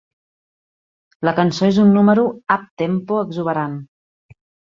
La cançó és un número up-tempo exuberant.